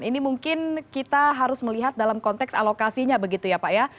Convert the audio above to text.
ini mungkin kita harus melihat dalam konteks alokasinya begitu ya pak ya